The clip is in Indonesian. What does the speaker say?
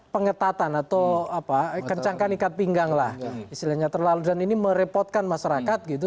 karna guru menjelaskan ketika prasadi mugar mencapai medan hidup